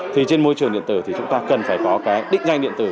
thì trên môi trường điện tử thì chúng ta cần phải có cái đích danh điện tử